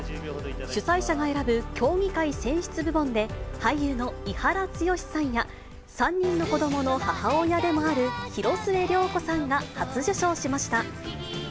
主催者が選ぶ協議会選出部門で、俳優の伊原剛志さんや３人の子どもの母親でもある広末涼子さんが初受賞しました。